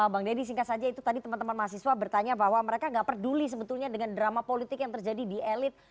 bang deddy singkat saja itu tadi teman teman mahasiswa bertanya bahwa mereka nggak peduli sebetulnya dengan drama politik yang terjadi di elit